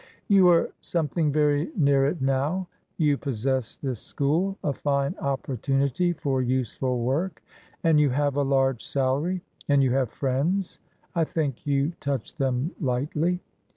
" You are something very near it now. You possess this school — B, fine opportunity for useful work. And you have a large salary. And you have friends. I think you touch them lightly.